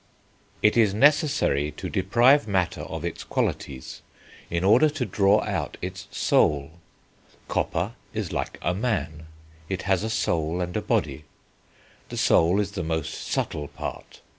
"It is necessary to deprive matter of its qualities in order to draw out its soul.... Copper is like a man; it has a soul and a body ... the soul is the most subtile part